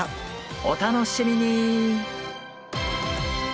お楽しみに！